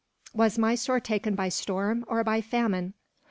"Was Mysore taken by storm, or by famine?"